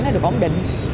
để được ổn định